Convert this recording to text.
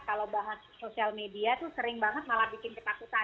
kalau bahas sosial media tuh sering banget malah bikin ketakutan